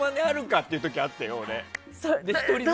って時あったよ、俺。